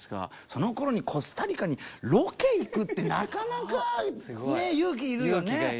そのころにコスタリカにロケ行くってなかなかねえ勇気いるよね。